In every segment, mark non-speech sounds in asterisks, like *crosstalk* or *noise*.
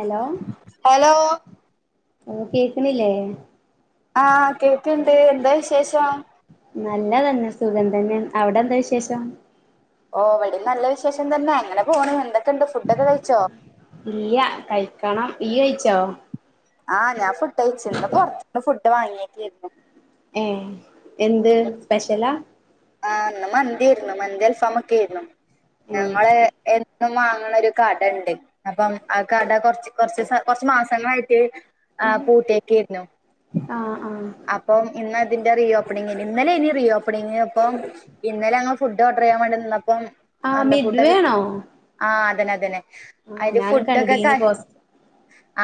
Hello hello കേക്കുന്നില്ലേ ആഹ കേക്കണ്ട് എന്താ വിശേഷം നല്ലതന്നെ സുഗം തന്നെ അവിടെ എന്താ വിശേഷം ഓ അവിടെ നല്ല വിശേഷം തന്നെ അങ്ങനെ പോണ എന്തൊക്കെുണ്ട് ഫുഡൊക്കെ കഴിച്ചോ ഇയ കഴിക്കണം ഈ കഴിച്ചോ ആഹ ഞാ ഫുഡ് അയിച്ചിന്ന് പുറത്തന്ന് ഫുഡ് വാങ്ങിയക്കിയിരുന്നു ഏഹ എന്ത് സ്പെഷ്യലാ ആഹ മന്തിരുന്നു മന്തി അൽഫമക്കെ ആരുന്നു ഏ ഞമ്മെ വാങ്ങണ ഒരു കട ഉണ്ട് അപ്പം ആ കട കൊറച്ച് കൊറച്ച് കൊറച്ച് മാസങ്ങളായിട്ട് ആ പൂട്ടേക്കയിരുന്നു ആഹ ആഹ അപ്പം ഇന്ന് ഇതിന്റെ റീ ഓപ്പണിംഗ ഇന്നലെ ഇനി റീ ഓപ്പണിംഗ അപ്പം ഇന്നല ങ്ങങ്ങള് ഫുഡ് ഓർഡർ ചെയ്യാൻ വേണ്ടി നിന്നപ്പം ആഹ് എന്താ മിഡ്വേ ഫുഡൊക്കെ ആണോ ആഹ അതന്നെ അതന്നെ ആ അതിന്റെ ഞാനും ഫുഡൊക്കെ കണ്ടീനി പോസ്റ്റ്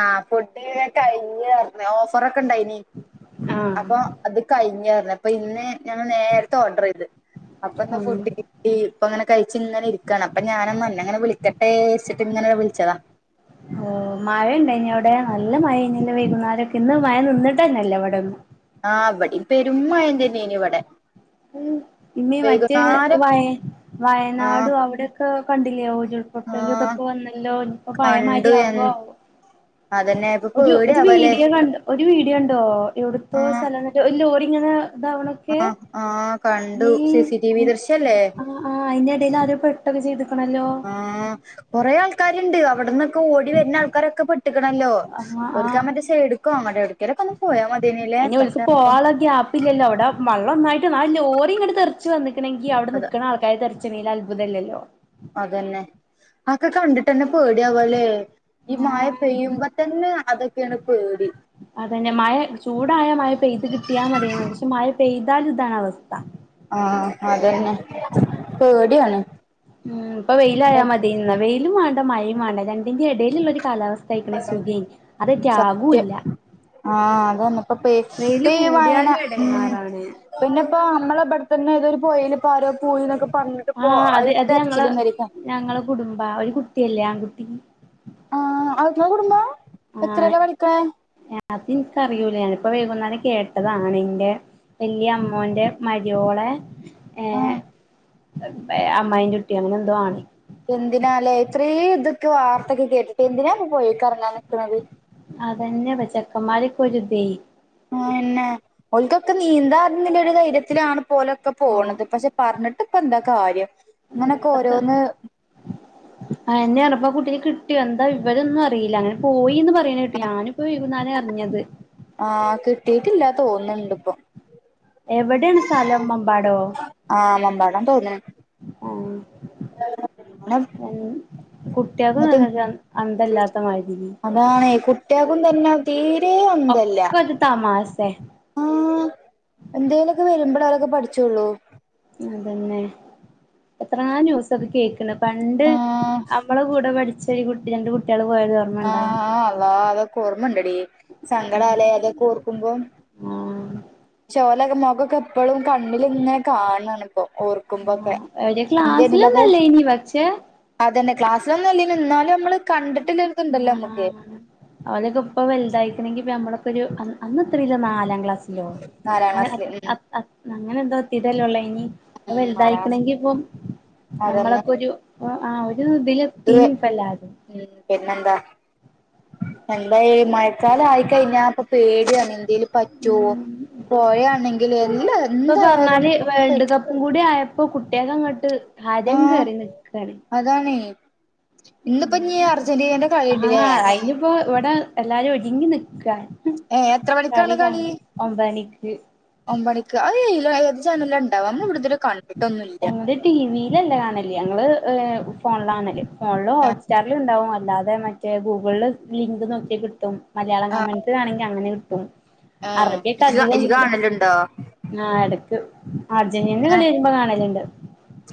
ആഹ് ഫുഡ്ക്കെ ഓഫറ ഒക്കെ ഉണ്ടായി ഇനി ആഹ് അപ്പൊ അത് കഴിഞ്ഞഞ്ഞ അപ്പൊ ഇന്ന് ഞങ്ങ നേരത്തെ ഓർഡർ ചെയ്ത് അപ്പൊ എന്താ ആഹ് ഫുഡി ഈ ഇപ്പൊ അങ്ങനെ കഴിച്ച ഇങ്ങെ ഇരിക്കുകാണ് അപ്പൊ ഞാനഞ്ഞ അങ്ങനെ വിളിക്കട്ടെ വെച്ചിട്ട് ഇങ്ങനെ വിളിച്ചതാ ഓ മഴുണ്ടായിഞ്ഞ അവിടെ നല്ല മഴ ഇ വൈകുന്നരൊക്കെ ഇന്ന് മഴ നിന്നിട്ട് തന്നെല്ലേ അവിടെ ഒന്നന്ന് ആഹ് അവിടെ പെരും മായായം തന്നെയനി ഇവിടെ ഉ ഇന്ന മറ്റേ വൈകുന്നേരം വയ ആഹ് വയനാടും അവിടെൊക്കെ കണ്ടില്ലേോ ഓ കുട്ടല ആഹ് ഇതൊക്കെ വന്നല്ലോ ഇനിപ്പോ ഭയമാരി കണ്ടു ആകുവോ എ അതന്നെ ഇപ്പൊ ഒരു ഒരു പേടിയാവല്ലേ വീഡിയോ കണ്ട ഒരു വീഡിയോ ഉണ്ടോ എവിടത്തോ സ്ഥലം ലോഓടി ഇങ്ങനെ ഇത ആ് ആഹ കണ്ടു സിസി ടി വി ദൃശ്യല്ലേ. ആ് അതിന്റെറെടയിൽ ആര പെട്ടൊക്കെ ചെയ്തുക്കണല്ലോ. ആഹ കൊറെേ ആൾക്കാരുണ്ട് അവിടെന്നൊക്കെ ഓടി വരുന്ന ആൾക്കാരൊക്കെ പെട്ടിക്കണല്ലോ. ആഹ് ഒരുക്കാൻ ആഹ് മറ്റേേ എടുക്കും അങ്ങട്ട എടുക്കലൊക്കെ ഒന്ന് പോയാ മതിീനല്ലേ പക്ഷ അപ്പ അപ്പല്ലോ അവിടെ വെള്ളംന്നായിട്ട് ആ ലോറി ഇങ്ങട്ട തെറിച്ച് വന്നിണമെങ്കിൽ അവിടെ അത് നിിക്കണക്ക കൈ തറച്ചണയിൽ അത്ഭുതമല്ലല്ലോ. അതന്നെ ആക്കെ കണ്ടിട്ട്ന്നെ പേടി അപോലെ ഈ മായ പെയ്യുമ്പോ തന്നെ അതൊക്കെയാണ് പേടി. അതന്നെ മഴ ചൂടായ മഴ പെയ്ത് കിട്ടിയാൽ മതിേ പക്ഷെ മഴ പെയ്താൽ ഇതാണ് അവസ്ഥ. ആ അതന്നെ പേടിയാണ്. ഉ ഇപ്പൊ വെയിലായാ മതിന്ന വെയിലും വേണ്ട മഴയും വേണ്ട രണ്ടിന്റെ ഇടയിലുള്ളരു കാലാവസ്ഥ. കഴിക്കണ സുഖൻ അതൊക്കെ ആകൂല്ല. ആഹ അതന്നപ്പ പേ വെയില് പെയ വായന കൂടിയാലും ഉ എടങ്ങാറാണ് പിന്നെ ഇപ്പോ നമ്മള ഇവിടെത്തന്നെ ഏതൊരു പോയി പരോ പോയിന്നൊക്കെ പറന്നിട്ട് പോ അ രച്ചിലന്നായിരിക്കാം. ഞങ്ങള കുടുംബ ഒരു കുട്ടിയല്ലേ ആൺകുട്ടി. ആ അവക്കുള്ള കുടുംബം ആഹ് എത്രയല്ല പളിക്കണ. അത് എനിക്കറിയൂല ഞാനിപ്പോ വൈകുന്നേരം കേട്ടതാണ് എന്റെ വലയ അമ്മോറെ മരിവോളെ ഏർ ആഹ് അമ്മ്യും ചുട്ടി അങ്ങനെ എന്തോ ആണ. എന്തിനാല്ലേ ഇത്രയും ഇതൊക്കെ വാർത്ത ഒക്കെ കേട്ടിട്ട് എന്തിനാ ഇപ്പൊ പോയിക്കറഞ്ഞാൻ നിൽക്കുന്നത്. അതന്നെ പ ചക്കന്മാരക്കെ ഒരു ഇത. പിന്നെ ഓക്കൊക്കെ നീന്താറുന്നില്ല ഒരു ധൈയത്തിലാണ് പോലൊക്കെ ആഹ് പോണത് പക്ഷെ പറഞ്ഞിട്ട് ഇപ്പൊ എന്തൊക്കെ കാര്യം. ഉ ഇങ്ങനൊക്കെ പത്ത ഓരോന്ന് ആ് എന്നെയാപ്പാ കുട്ടിക്ക് കിട്ടോ എന്താ വിവരം ഒന്നും അറിയില്ല അങ്ങനെ പോയിന്ന് പറയണേ കിട്ടു ഞാനും ഇ എന്നാന അറിഞ്ഞത്. ആഹ് കിട്ടിട്ടില്ല തോന്നുണ് ണ്ട് ഇപ്പൊ. എവിടേണ് സ്ഥലം മമ്പാടോ. ആഹ് മമ്പാടാന്ന് തോന്ന്ണ്. അങ്ങനെ ഉം കുട്ടേൾക്കും എന്നിട്ട് നല്ല അന്തല്ലാത്ത മാതിരി. അതാണ്കുട്ടേൾക്കും തന്നെ തീരെ അന്തല്ല ഒക്കരു തമാസേ. ആഹ് എന്തേലൊക്കെ വരുമ്പള് ഓല ക്കെ പഠിച്ചൊള്ളൂ. അതന്നെ എത്രങ്ങാനും ദിവസാണ് കേക്ക്ണ് പണ്ട് ആഹ് നമ്മളെ കൂടെ പഠിച്ച ഈ കുട്ടി രണ്ട് കുട്ടികള് പോയത്. ഓർമ്മണ്ടാ ആഹ് ആ അതാ അതൊക്കെ ഓർമ്മണ്ടടീ സങ്കടാലേ അതൊക്കെ ഓർക്കുമ്പോ. ആഹ് ച്ഓലക്കെ മൊഖൊക്കെ ഇപ്പളും കണ്ണില്ങ്ങനെ കാണണിപ്പോ ഓർക്ക ആ ഒരു ക്ലാസ്സിലൊന്നുഅല്ലായിന്നു പക്ഷേ അതന്നെ ക്ലാസ്സിലൊന്നുംഅല്ലായിന്നു ഇന്നാലും നമ്മള് കണ്ടിട്ടൊള്ളൊരു ഇത് ആഹ് ണ്ടല്ലോനമ്മുക്ക്. ആഹ് അവലൊക്കെ ഇപ്പ വലുതായിക്കണെങ്കി നമ്മളൊക്കെ ഒരു അന്നത്രയിലാ നാലാം ക്ലാസ് യോ നാലാം അങ്ങന ക്ലാസ്സില് അ ഉം അ അങ്ങനെ എന്തോ എത്തിട്ടെല്ലൊള്ളയ്നി. അഹ് ഉം നാലാം ക്ലാസ് വലുതായിക്കണങ്കി ഇപ്പൊ അതന്നെ നമ്മളൊക്കെ ഒരു ആ ഒരു ഇതില്. ഇത് ഇനിപ്പല്ലാരും ഉം പിന്നെന്താ എന്തായാലും മ സ്ഥല ആയി കഴിഞ്ഞാ ഇപ്പൊ പേടിയാണ് എന്തേലും പറ്റോ ഉം പോഴയാണെങ്കിൽ എല്ലാം. ഇപ്പൊ പറഞ്ഞാല് വേൾഡ് കപ്പും കൂടി ആയപ്പോ കുട്ടേൾക്ക് അങ്ങ്ട്ട് ഹരം കേറി നിക്കാണ്. അതാണയ് ഇന്ന്പ്പോ ഞി അർജന്റീനന്റെ കളിണ്ട്ല്ലേ. ഇപ്പൊ ഇവിടെ എല്ലാരും ഒരുങ്ങി നിക്കാണ് ഏ എത്ര കളി മണിക്കാണ് കാണാ ഒമ്പതണിക്ക്. ഒമ്പണിക്ക് അഹ് ഈലേത് ചാനലില ഇണ്ടാവ നമ്മൾ ഇബടെ തരെ കണ് ഞങ്ങള് ടിവിയിലല്ല കാണല് ഞങ്ങള് എഹ് ഫോണിലാ കാണല് ഫോണ്ല് ആഹ് ഹോട്ട് സ്റ്റാറ്ല് ഇണ്ടാവും അല്ലാതെ മറ്റേ ഗൂഗിളിൽ ലിങ്ക് നോക്കിയ കിട്ടും മലയാളം ആഹ് കമൻ ത് ആണെങ്കി അങ്ങനെ കിട്ടും ആഹ് അറബിക്കെ ഇജ്ജ് അധികം ഇജ്ജ് കിട്ടാ കാണലുണ്ടോ ആഹ് എടക്ക് അർജന്റീനന്റെ കളി ഏഹ് വരുമ്പം കാണല്ണ്ട്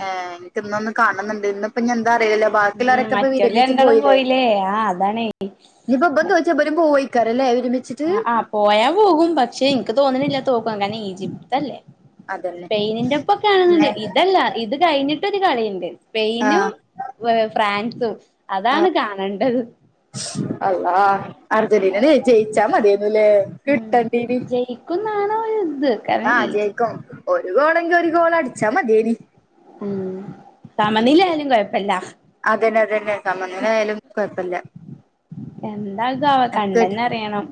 ഏഹ് ഇൻക്ക് ഇന്നൊന്ന് കാൺണംന്ന്ണ്ട് ഇന്നിപ്പൊ എന്താ അറിയില്ലല്ലോ ഉം ബാക്കിയുള്ളവരൊക്കെ ഇപ്പൊ മറ്റോല് വിരമിച്ച് രണ്ടാളും പോയില്ലേ ആഹ് അതാണേ ഇഞ്ഞിപ്പൊ ബംതോറ്റ ബലും പോവയ്കാരംല്ലെ വിരമി ആഹ് ആഹ് പോയാ പോകും പക്ഷെ ഇൻക്ക് തോന്ന്ണില്ല തോക്കും അങ്ങനെ ഈജിപ്തല്ലേ അതന്നെ സ്പെയിനിന്റെപ്പൊക്കെ ആണെന്നുണ്ട് ഇങ്ങനെ ഇതല്ല ഇത് കഴിഞ്ഞിട്ടൊരു കളിണ്ട് സ്പെയിനും ആഹ് വെ ഫ്രാൻസും അതാണ് ആഹ് കാണേണ്ടത് അള്ളാ അർജന്റീനലെ ജയിച്ചാ മതിയേന്നുല്ലേ കിട്ടണ്ടീനി ക്കും ന്നാണോര്ത് ആഹ് ജയിക്കും ഒരു ഗോളെങ്കി ഒരു ഗോൾ അടിച്ചാ മതിയേഞ്ഞി ഉം സമനില ആയാലും കൊഴപ്പല്ല അതന്നെ അതന്നെ സമനിലആയാലും കൊഴപ്പല്ല എന്താകാവോ കണ്ടന്നെ അറിയണം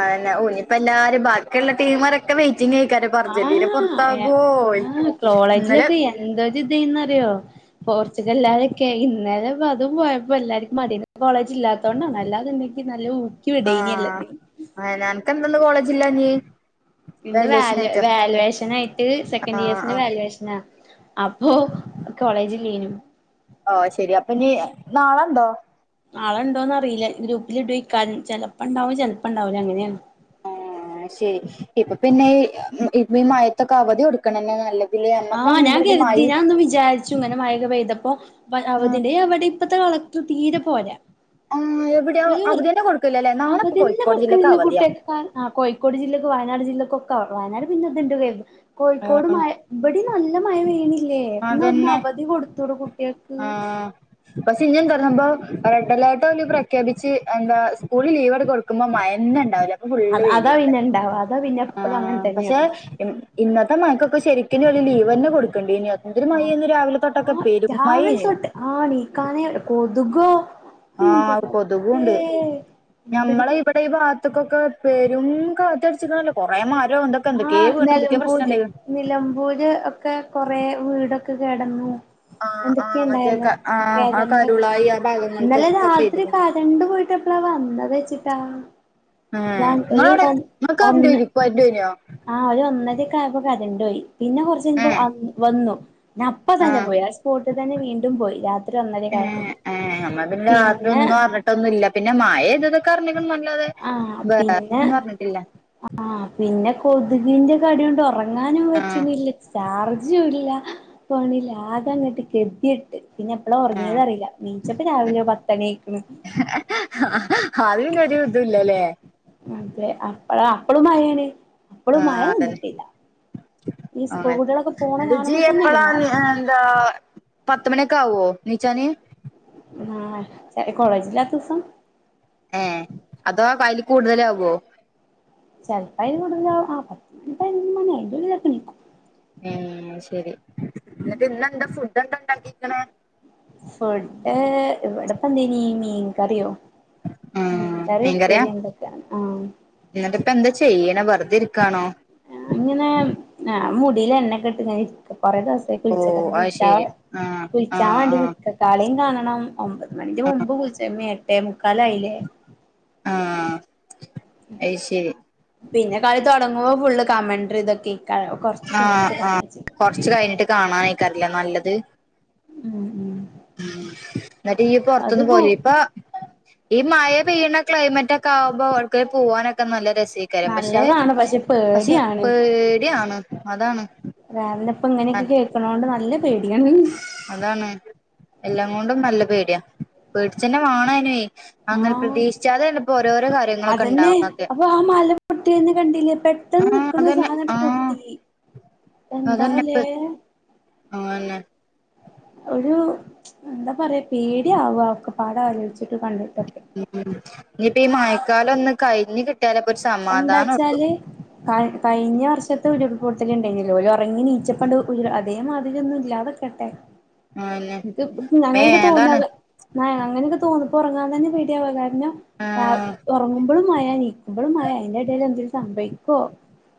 അയന്നെ ഊ ഇഞ്ഞിപ്പൊ എല്ലാരും ബാക്കിള്ള ടീമോരെക്കെ വെയിറ്റിംഗ് അയ്ക്കാരം പ്പ അർജന്റീന ആഹ് പൊറത്താകോ ഇ ഇന്നലെ എന്തോജ് ചെയ്യുന്നറിയോ പോർച്ചുഗൽല്ലാരെക്കെ ഇന്നലെ പ്പ അതും പോയപ്പോ എല്ലാരുക്കും മതിയാന്ന് കോളേജ് ഇല്ലാത്തോണ്ടാണ് അല്ലാതന്തെക്കി നല്ലോ ഊ ആഹ് അന അൻക്ക് ന്തന്ന് കോളേജില്ലാഞ്ഞീ ഇന്ന് വാല്യു വാല്യുവേഷൻ ആയിട്ട് സെക്കൻഡ് ആഹ് ഇയേർസിന്റെ ആഹ് വാല്യുവേഷനാ അപ്പോ കോളേജ് ഇല്ലേനു ഓഹ് ശെരി അപ്പൊ ഞ്ഞി നാളെണ്ടോ നാളെണ്ടോന്ന് അറിയില്ല ഗ്രൂപ്പില് ഇടോയിക്കാരം ചെലപ്പൊണ്ടാവും ചെലപ്പണ്ടാവ് ല അങ്ങനെയാണ് ആഹ് ശരി ഇപ്പ പിന്നെ ഈ ഉം ഈ മഴത്തൊക്കെ അവധി കൊടുക്കണന്നെ നല്ല ആഹ് ഞാൻ കെര്തി ഞാന്ന് വിചാര് ച്ചുങ്ങനെ മഴൊക്കെ പെയ്തപ്പോ പ്പ അവധിന്റെ എവടിം പ്പത്തെ കളക്ടർ തീരെ പോരാ ആഹ് എവിടെയോ ഒരു അവദ്യെന്നെ കൊട്ക്ക്ല്ലല്ലേ നാളെപ്പ കോഴിക്കോട് ജില്ലക്ക് അവധ്യാ ക്കാൻ ആഹ് കോഴിക്കോട് ജില്ലക്കും വയനാട് ജില്ലക്കൊക്കെ അ വയനാട് പിന്നെ ത്ണ്ട് കെര്ത കോഴിക്കോട് ആഹ് മഴ ബടിം നല്ല മഴ പെയ്യ്ണില്ലേ ന്നാഒന്ന് അതന്നെ അവധി കൊടുത്തൂടെ കുട്ട്യാക്ക് ആഹ് പക്ഷെ ഇഞ്ഞെന്താറിയോ സംഭവം റെഡ് അലേർട്ടോല് പ്രഖ്യാപിച്ച് എന്താ സ്കൂളിൽ ലീവട് കൊട് ക്കുമ്പോ മയെന്നെ ണ്ടാവൂല അപ്പൊ ഫുള്ള് അത് അതാ വെയ്ലേക്കാരം പിന്നെ ഇണ്ടാവ അതാ പിന്നെ എപ്പളും അങ്ങനെ ആഹ് പക്ഷെ തന്നെയാണ് ഇമ് ഇന്നത്തെ മയക്കൊക്കെ ശരിക്കിനോല് ലീവെന്നെ കൊട്ക്കണ്ടീനി എന്തരു മഴേന്ന് രാവിലെ തൊട്ടൊക്കെ ആഹ് പെരും രാവിലെ മഴേന് തൊട്ട് ആഹ് ണീക്കാനെ കൊതുകോ ഉം ഇന്റെ ആഹ് റബ്ബേ ന്തെട്ക് പ്പ ഈ ഭാത്ത്ക്കൊക്കെ പെരും കാറ്റട്ച്ക്ക്ണല്ലൊ കൊറേ മരും ന്തൊക്കെന്തെക്കേ ആഹ് വീണന്തൊക്ക്യോ നിലമ്പൂര് പ്രശ്നണ്ടായീന്ന് നിലമ്പൂര് ഒക്കെ കൊറേ വീടൊക്കെ കേടന്നു ആഹ് ആഹ് മറ്റേ എന്തൊക്കെണ്ടായല്ലോ ക ആഹ് ആ കെരണ്ട് കരുളായി ആ ഇന്നലെ ഭാഗങ്ങൾക്കൊക്കെ രാത്രി ക പെയ്തിക്ക്ണ് രണ്ട് പോയിട്ടെപ്പളാ വന്നതെച്ചിട്ടാ ആഹ് ങ്ങളാടെ ങ്ങക്കര്ന്റ് ഒന്ന് *unintelligible* കര്ന്റൊയീഞ്യോ ആഹ് ഒരൊന്നരക്കായപ്പോ കരന്റോയി പിന്നെ കൊറച്ചയ്ഞപ്പൊ ഏഹ് അഹ് വന്നു നപ്പ തന്നെ ആഹ് പോയി ആ സ്പോട്ടിൽ തന്നെ വീണ്ടും പോയി രാത്രി ഒന്നരക്കായപ്പൊ ഏഹ് ഏഹ് എന്നാല് പിന്നെ *unintelligible* ട്ടൊന്നുല്ല പിന്നെ മഴയ്തതൊക്കർഞ്ഞിണ് ന്നല്ലാതെ ആഹ് പിന്നെ വേറൊന്നു അർഞ്ഞിട്ടില്ല ആഹ് പിന്നെ കൊതുകിന്റെ കട്യോണ്ട് ഒറങ്ങാനും ആഹ് പറ്റ്ണില്ല ചാറ് ജ്ജുല്ല ഫോണിലാകെങ്ങട്ട് ഗെത്യെട്ട് പിന്നെപ്പള ആഹ് ഒർങ്ങ്യതറിയില നീച്ചപ്പ രാവിലെ പത്തണ്യായിക്ക്ണ് അഹ് പിന്നൊരു ഇതുല്ലല്ലേ അതെ അപ്പ അഹ് അപ്പളും മഴേണ് അപ്പളും മഴ ആഹ് അതന്നെ നിന്നിട്ടില്ല ഈ സ്കൂൾ കുട്ടികളൊക്കെ *unintelligible* പോണ എന്നിട്ട് ജി കാണുമ്പോ തന്നെ എപ്പളാണ് എടങ്ങേറ് എന്താ പത്തുമണിയൊക്കെ ആവോ എനീച്ചാന് ആഹ് ചെലെ കോളേജിലാത്ത ദിവസം ഏഹ് അതോ അയ്ൽ കൂടുതലാകോ ചെൽപ്പയ്ല് കൂടുതലാവും ആഹ് പത്ത് പൈനൊന്ന്മണി അയ്ന്റുള്ളിലൊക്കെ എണീക്കും ഉം ശരി എന്നട്ട് ഇന്നെന്താ ഫുഡെന്താ ഇണ്ടാക്കീക്കണ് ഫുഡ് ഇവിടെപ്പെന്തേനി മീൻ കറിയോ ആ മീൻകറി ഉപ്പേരി എന്തൊക്ക്യാണ് ആഹ് എന്നട്ടിപ്പെന്താ ചെയ്യണെ വെർതിരിക്കാണോ ഞാ ഇങ്ങനേ ഞാൻ മുടീലെണ്ണ‌ക്കിട്ട് ഇങ്ങനിരിക്കാ കൊറെ ദിവസാ *unintelligible* ഓ അത് ശരി ആ ആ കുളിച്ചാൻ വേണ്ടി ആ നിക്കാ കളീം കാണണം ഒമ്പത് മണിന്റെ മുമ്പ് കുൾച്ചെർണേ എട്ടേ മുക്കാലായില്ലേ ആഹ് അയ് ശരി പിന്നെ കളി തൊടങ്ങുമ്പൊ ഫുള്ള് കമണ്ട്റി ഇതക്കേക്കാരം ആഹ് ആഹ് കൊർച്ച് കഴിഞ്ഞിട്ട് കാണാനേക്കാരില്ലെ നല്ലത് ഉം ഉം ഉം എന്നട്ട് ഇയ്യ് അത് പൊർത്തൊന്നും കൂ പോയില്ലെ ഇപ്പാ ഈ മഴ പെയ്യണ ക്ലൈമറ്റൊക്കെ ആവുമ്പോ *unintelligible* പോവാനൊക്കെ നല്ല രസെ ക്കാരം പക്ഷെ നല്ലതാണ് പക്ഷെ പക്ഷെ പേടിയാണ് പേട്യാണ് അതാണ് കാരണിപ്പ ഇങ്ങനൊക്കെ കേക്കണോണ്ട് നല്ല പേട്യാണ് അതാണ് എല്ലാം കൊണ്ടും നല്ല പേട്യാ പേട്ച്ചന്നെ വാണാനുവേ അങ്ങനെ ആഹ് പ്രതീക്ഷിച്ചാതെയാണ് ഇപ്പൊ ഓരോരോ കാര്യങ്ങളൊക്കെ അതന്നെ ഇണ്ടാവണതൊക്കെ അപ്പൊ ആ മല പൊട്ട്യന്ന് കണ്ടില്ലെ പെ ട്ടെന്ന് ആഹ് നിക്ക്ണ അതന്നെ സാധനങ്ങട് ആഹ് പൊട്ടി എന്താവല്ലേ ഇപ്പ അതന്നെ ഒരു എന്താ പറയ പേടിയാവ ഒക്കെപാടാലോചിച്ചിട്ടും കണ്ടി ഉം ഇനി പ്പീ മഴക്കാലൊന്ന് കഴിഞ്ഞ് കി ട്ട്യാലപ്പൊര് സ ഇപ്പ എന്താച്ചാല് കഴി കഴിഞ്ഞ വർഷത്തെ ഉരുൾപ്പൊട്ടല് ഇണ്ടായിരുന്നില്ലേ ഒ റങ്ങി എനീച്ചപ്പണ്ട് ഉരുള് അതേമാതിരിയൊന്നും ഇല്ലാതിക്കട്ടെ. ആന്നെ ഇത് മേ *unintelligible* അതാണ് തോന്നത് ന്ന അങ്ങനെയൊക്കെ തോന്നുമ്പോ ഒറങ്ങാൻ തന്നെ പേടിയാവാ കാരണം രാ ആഹ് ഒറങ്ങുമ്പളും മഴ എണീ മ്പളും മഴ അതിന്റെ ഇടയിൽ എന്തേലും സംഭവിക്കോ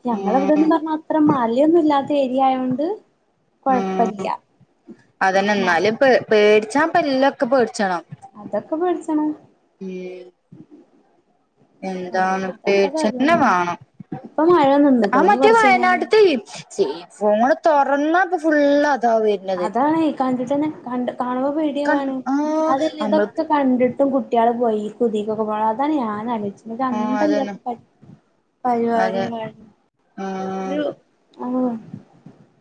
ഞമ്മളെ ഉം ഇവിടൊന്നും പറഞ്ഞ അത്ര മലയൊന്നും ഇല്ലാ ത്തേരിയായോണ്ട് ഉം കുഴപ്പല്ല്യ അതന്നെ എന്നാലും പേ പേടിച്ചാന് ഇപ്പെല്ലാക്കും പേടിച്ചണം. അതൊക്കെ പേടിച്ചണം. ഉം എന്താണ് എന്താപ്പ പേടിച്ചന്നെ കാട്ട്ണത് വാണം. ഇപ്പൊ മഴ ആ നിന്ന്ക്ക്ണ് ഇനി മറ്റേ കൊറച്ച് കഴിഞ്ഞാല് വയനാടുത്തേ ചെ ഫോണ് തൊറന്നാപ്പ ഫുള്ള് അതാവെര് അതണെയ് കണ്ടിട്ടന്നെ കണ്ട് കാണുമ്പോ കൺ പേടിയാവാണ് ആ അതല്ല നമ്മള് ഇതൊക്കെ. കണ്ടിട്ടും കുട്ടികള് പോയി *unintelligible* പോണേ അതാണ് ഞാനാലോചിച്ചത്. ആ അതന്നെ ഒരന്തല്ലാത്ത പരി അതെ പരിപാടിയാണ് കാണി ആ ഒരൂ ആഹ്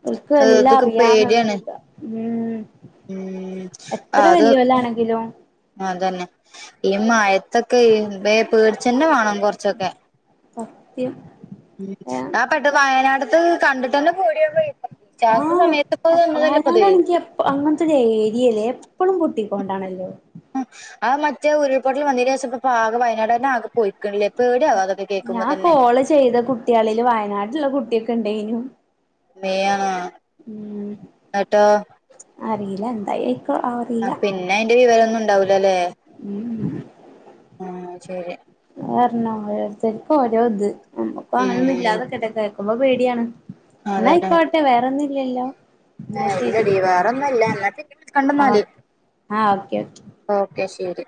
ഓൽക്ക് എല്ലാം ഇതൊക്കെ പേടിയാണ് അറിയാന്നുള്ളൊരിതാ ഉം ഉം എത്ര ആഹ് അത്. വല്യോലാണെങ്കിലും അതന്നെ ഈ മയത്തൊക്കെ വേ പേടിച്ചന്നെ വാണം കൊറച്ചൊക്കെ. സത്യം. ഉം ഏഹ് ആ പട്ട് വയനാട്ത്തത് കണ്ട്ട്ടെന്നെ പേഡ്യാവേ *unintelligible* സമയത്ത് പ്പൊ വന്നതല്ലെപ്പത് അങ്ങൻത്തൊരേരിയ ലേ എപ്പളും പൊട്ടിക്കൊണ്ടാണല്ലോ ആ മറ്റേ ഉരുൾപൊട്ടൽ വന്നിന്റെഷം പ്പൊ പ്പാകെ വയനാടെന്നെ ആകെ പൊയ്ക്ക്ണ്ല്ലേ ഞാൻ കോള് ചെയ്ത കുട്ട്യാളില് വയനാട്ടിലുള്ള കുട്ട്യോക്കെണ്ടെയ്നു വെ ആണോ ന്ന്ട്ടോ അറില്ല എന്തായേക്കും ആ ആ പിന്നെ അയ്ന്റെ വിവരൊന്നും ണ്ടാവുലല്ലേ ഉം ഉം ആ ശെരി അത് പർഞ്ഞോ ഓരോര്ത്ത്ര്ക്ക് ഓരോ ത് ഞമ്മക് അങ്ങനൊന്നും ഉം ഇല്ലാതിരിക്കട്ടെ കേക്കുമ്പോ പേടിയാണ് ന്നാ അയ്ക്കോട്ടെ വേറൊന്നുല്ലല്ലോ ഏ ഇല്ലടി വേറൊന്നുല്ല ഓക്കെ *unintelligible* ആഹ് ഓക്കെ ഓക്കെ ഓക്കെ ശെരി